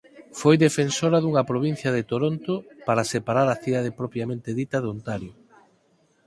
Foi defensora dunha provincia de Toronto para separar a cidade propiamente dita de Ontario.